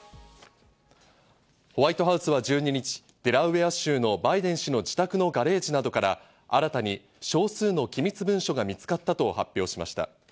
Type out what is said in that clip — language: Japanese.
ホワイトハウスは１２日、デラウェア州のバイデン氏の自宅のガレージなどから新たに少数の機密文書が見つかったと発表しました。